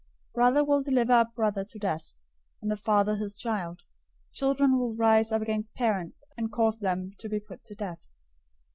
010:021 "Brother will deliver up brother to death, and the father his child. Children will rise up against parents, and cause them to be put to death.